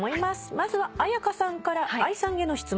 まずは絢香さんからＡＩさんへの質問です。